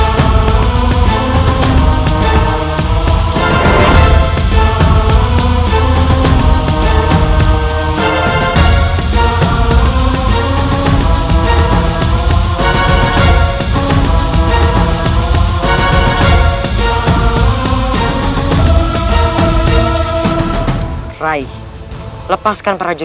kau meremehkan aku